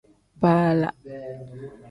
Baala.